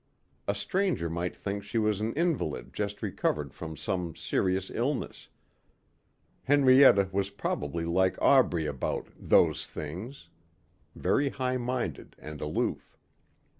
A stranger might think she was an invalid just recovered from some serious illness.... Henrietta was probably like Aubrey about "those things". Very high minded and aloof.